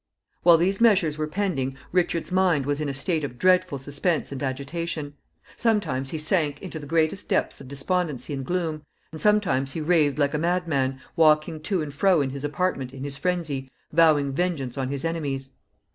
While these measures were pending, Richard's mind was in a state of dreadful suspense and agitation. Sometimes he sank into the greatest depths of despondency and gloom, and sometimes he raved like a madman, walking to and fro in his apartment in his phrensy, vowing vengeance on his enemies.